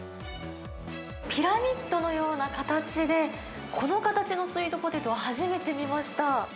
ピラミッドのような形で、この形のスイートポテトは、初めて見ました。